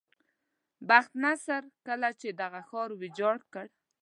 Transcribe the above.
بخت نصر کله چې دغه ښار ویجاړ کړ.